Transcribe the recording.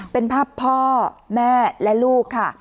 เป็นภาพพ่อแม่และลูกค่ะ